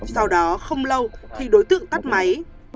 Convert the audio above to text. sau đó không lâu thì đối tượng tắt máy